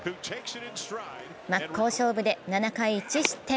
真っ向勝負で７回１失点！